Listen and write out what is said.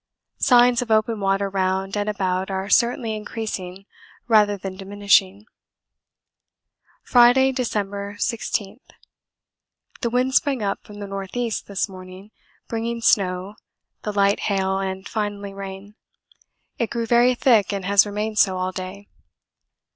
Signs of open water round and about are certainly increasing rather than diminishing. Friday, December 16. The wind sprang up from the N.E. this morning, bringing snow, thin light hail, and finally rain; it grew very thick and has remained so all day.